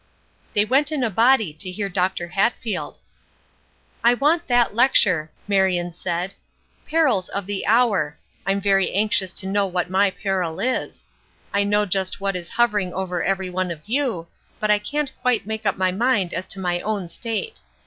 They went in a body to hear Dr. Hatfield. "I want that lecture," Marion said, "'Perils of the Hour.' I'm very anxious to know what my peril is. I know just what is hovering over every one of you, but I can't quite make up my mind as to my own state.